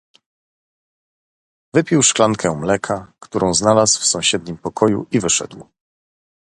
"Wypił szklankę mleka, którą znalazł w sąsiednim pokoju i wyszedł."